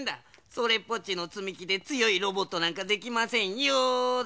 それっぽっちのつみきでつよいロボットなんかできませんよだ。